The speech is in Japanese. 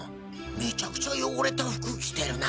めちゃくちゃ汚れた服着てるな！